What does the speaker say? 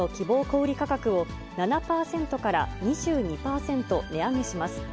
小売り価格を７％から２２％値上げします。